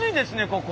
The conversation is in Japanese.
ここ。